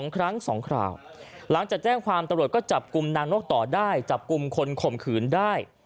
๒ครั้ง๒คราวหลังจากแจ้งความตำรวจก็จับกลุ่มนางนกต่อได้จับกลุ่มคนข่มขืนได้